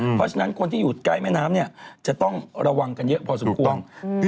เพราะฉะนั้นคนที่อยู่ใกล้แม่น้ำเนี่ยจะต้องระวังกันเยอะพอสมควร